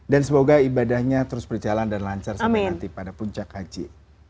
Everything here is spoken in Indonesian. dan semoga ibadahnya terus berjalan dan lancar sampai nanti pada kuncak haji